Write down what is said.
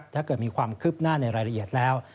ถ้าเกิดมีความคืบหน้าในรายละเอียดแล้ว